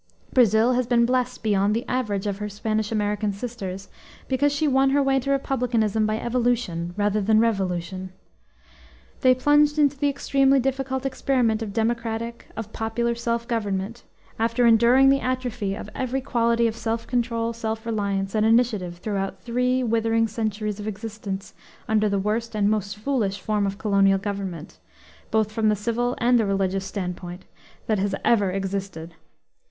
Brazil has been blessed beyond the average of her Spanish American sisters because she won her way to republicanism by evolution rather than revolution. They plunged into the extremely difficult experiment of democratic, of popular, self government, after enduring the atrophy of every quality of self control, self reliance, and initiative throughout three withering centuries of existence under the worst and most foolish form of colonial government, both from the civil and the religious standpoint, that has ever existed.